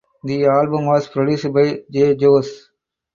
The album was produced by Jay Joyce.